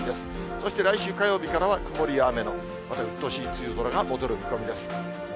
そして来週火曜日からは曇りや雨のまたうっとうしい梅雨空が戻る見込みです。